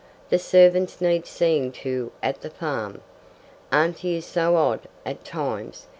The servants need seeing to at the farm. Auntie is so odd at times."